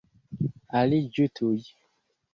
Aliĝu tuj!